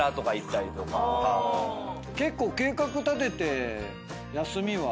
結構計画立てて休みは。